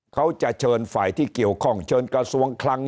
เขาจะเชิญฝ่ายที่เกี่ยวข้องเชิญกระทรวงคลัง